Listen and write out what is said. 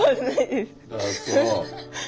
ああそう。